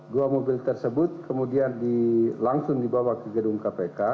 dua mobil tersebut kemudian langsung dibawa ke gedung kpk